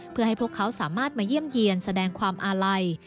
เพื่อให้พวกเขาสามารถมาเยี่ยมเยี่ยนแสดงความอาลัย